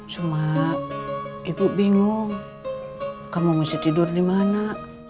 cuma ibu bingung kamu mesti tidur di mana